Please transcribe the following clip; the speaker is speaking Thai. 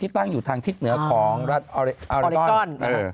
ตั้งอยู่ทางทิศเหนือของรัฐอัลยดอน